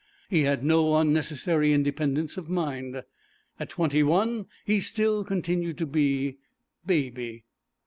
He had no unnecessary independence of mind. At twenty one he still continued to be 'Baby.'